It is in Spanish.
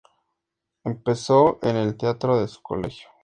Empezó en el teatro de su colegio.